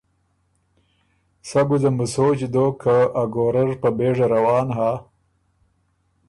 سَۀ ګځم بُو سوچ دوک که ا ګورۀ ر په بېژه روان هۀ